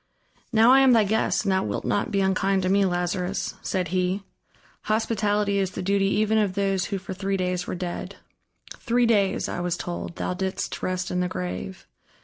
"Now I am thy guest, and thou wilt not be unkind to me, Lazarus!" said he. "Hospitality is the duty even of those who for three days were dead. Three days, I was told, thou didst rest in the grave.